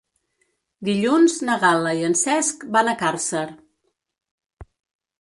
Dilluns na Gal·la i en Cesc van a Càrcer.